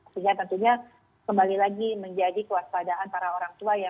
sehingga tentunya kembali lagi menjadi kewaspadaan para orang tua ya